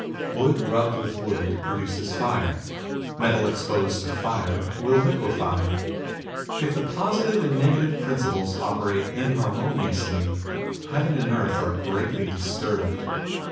Wood rubbed with wood produces fire. Metal exposed to fire will liquefy. If the Positive and Negative principles operate inharmoniously, heaven and earth are greatly disturbed.